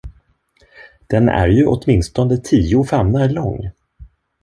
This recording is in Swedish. Den är ju åtminstone tio famnar lång.